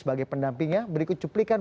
sebagai pendampingnya berikut cuplikan